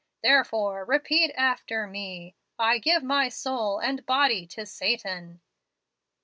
Therefore, repeat after me: 'I give my soul and body to Satan.'